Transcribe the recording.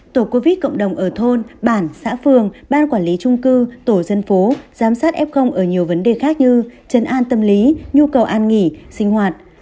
tổ covid cộng đồng ở thôn bản xã phường ban quản lý trung cư tổ dân phố giám sát f ở nhiều vấn đề khác như chấn an tâm lý nhu cầu an nghỉ sinh hoạt